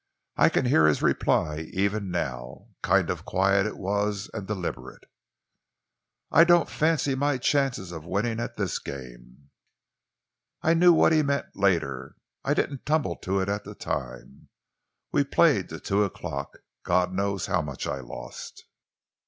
I can hear his reply even now. Kind of quiet it was and deliberate. "'I don't fancy my chances of winning at this game.' "I knew what he meant later. I didn't tumble to it at the time. We played till two o'clock. God knows how much I'd lost!